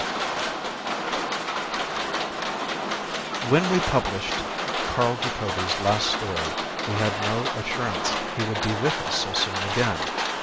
net _When we published Carl Jacobi's last story we had no assurance he would be with us so soon again.